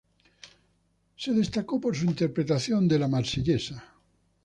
Se destacó por su interpretación de La Marsellesa.